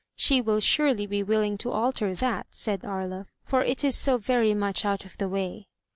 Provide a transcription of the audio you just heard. "She will surely be wilhng to alter that," said Aria, "for it is so very much out of the way."